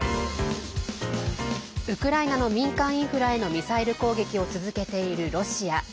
ウクライナの民間インフラへのミサイル攻撃を続けているロシア。